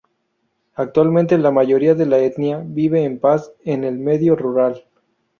Actualmente la mayoría de la etnia vive en paz en el medio rural.